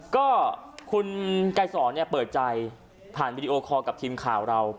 ก็คุณไกรสอนเปิดใจผ่านวิดีโอคอลกับทีมข่าวเรา